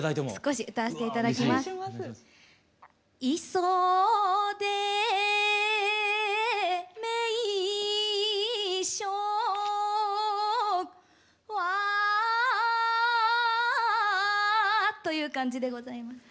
磯で名所はという感じでございます。